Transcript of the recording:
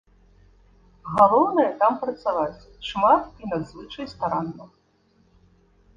Галоўнае там працаваць, шмат і надзвычай старанна.